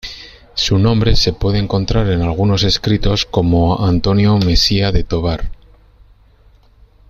Su nombre se puede encontrar en algunos escritos como Antonio Mesía de Tobar.